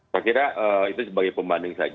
saya kira itu sebagai pembanding saja